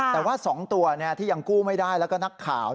แต่ว่า๒ตัวที่ยังกู้ไม่ได้แล้วก็นักข่าว